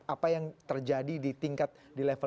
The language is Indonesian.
apa yang terjadi di tingkat di level